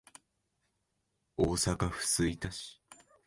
大阪府吹田市